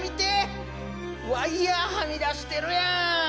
ワイヤーはみ出してるやん！